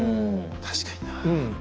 確かになあ。